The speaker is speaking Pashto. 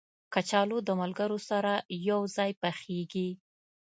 کچالو د ملګرو سره یو ځای پخېږي